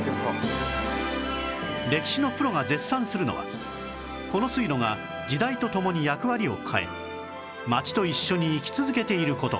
歴史のプロが絶賛するのはこの水路が時代とともに役割を変え町と一緒に生き続けている事